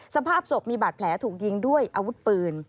สภาพศพมีบาดแผลถูกยิงด้วยอาวุธปืน